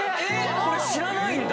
これ知らないんだ